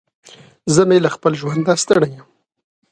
زه مې له خپل ژونده ستړی يم.